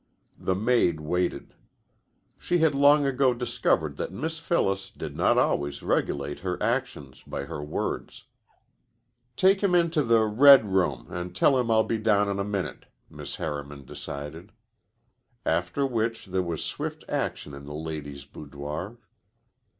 The maid waited. She had long ago discovered that Miss Phyllis did not always regulate her actions by her words. "Take him into the red room and tell him I'll be down in a minute," Miss Harriman decided. After which there was swift action in the lady's boudoir.